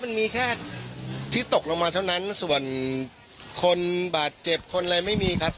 มันมีแค่ที่ตกลงมาเท่านั้นส่วนคนบาดเจ็บคนอะไรไม่มีครับ